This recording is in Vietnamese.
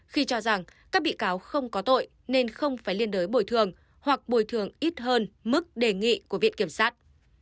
khi cho rằng các bị cáo không có tội nên không phải liên đối bồi thường hoặc bồi thường ít hơn mức đề nghị của viện kiểm sát